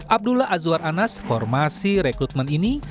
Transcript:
abdullah azwar anas formasi rekrutmen ini